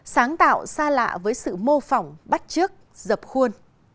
sáng tạo xa lạ với sự mô phỏng bắt trước dập khuôn